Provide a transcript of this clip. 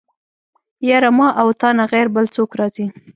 يره ما او تانه غير بل څوک راځي.